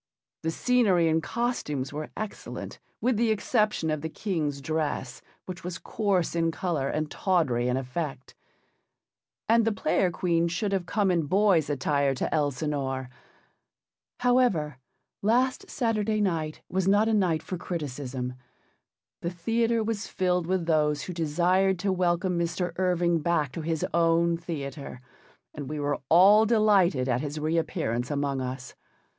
The scenery and costumes were excellent with the exception of the King's dress, which was coarse in colour and tawdry in effect. And the Player Queen should have come in boy's attire to Elsinore. However, last Saturday night was not a night for criticism. The theatre was filled with those who desired to welcome Mr. Irving back to his own theatre, and we were all delighted at his re appearance among us.